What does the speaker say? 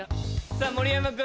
さあ盛山君。